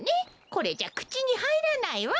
これじゃくちにはいらないわ。